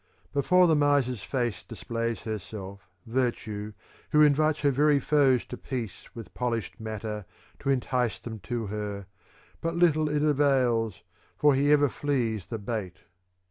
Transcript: VI Before the miser's face displays herself virtue, who invites her very foes to peace with polished matter to entice them to her ; but little it avails, for he ever flees the bait.